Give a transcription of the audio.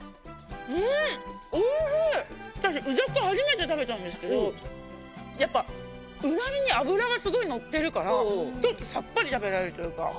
私鰻ざく初めて食べたんですけどやっぱうなぎに脂がすごいのってるからちょっとさっぱり食べられるというか。